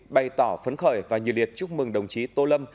bày tỏ phấn khởi và nhiệt liệt chúc mừng đồng chí tô lâm